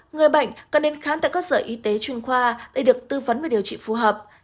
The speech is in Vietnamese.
người bệnh cần nên khám tại các sở y tế chuyên khoa để được tư vấn về điều trị phù hợp